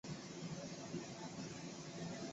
可发酵糖是通常在发酵行业用到的术语。